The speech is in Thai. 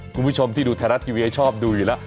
คุณผู้ชมที่ดูไทยรัฐทีวีชอบดูอยู่แล้ว